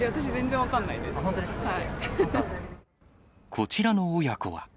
こちらの親子は。